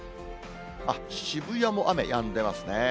あっ、渋谷も雨やんでますね。